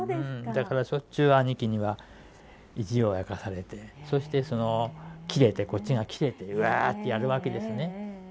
だからしょっちゅう兄貴には意地悪されてそしてそのキレてこっちがキレてうわってやるわけですね。